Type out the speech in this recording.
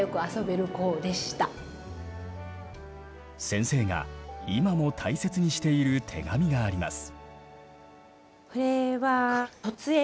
先生が今も大切にしている手紙があります。